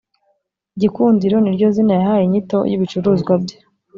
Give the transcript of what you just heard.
Gikundiro niryo zina yahaye inyito y’ibicuruzwa bye.